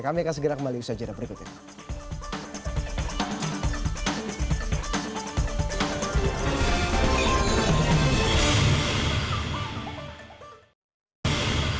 kami akan segera kembali ke secara berikutnya